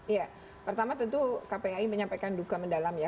ya pertama tentu kpai menyampaikan duka mendalam ya